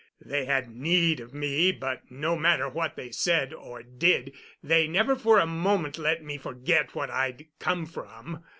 They had need of me, but no matter what they said or did they never for a moment let me forget what I'd come from.